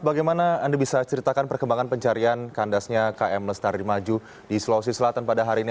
bagaimana anda bisa ceritakan perkembangan pencarian kandasnya km lestari maju di sulawesi selatan pada hari ini